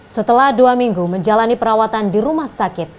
setelah dua minggu menjalani perawatan di rumah sakit